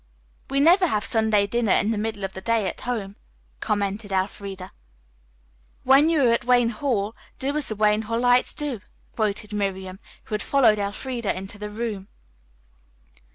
"We never have Sunday dinner in the middle of the day at home," commented Elfreda. "When you are at Wayne Hall do as the Wayne Hallites do," quoted Miriam, who had followed Elfreda into the room.